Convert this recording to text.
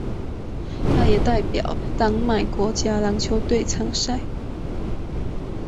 他也代表丹麦国家篮球队参赛。